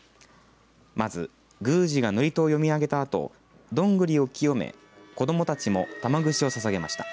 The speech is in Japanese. まず宮司が祝詞を読み上げたあとどんぐりを清め子どもたちも玉串をささげました。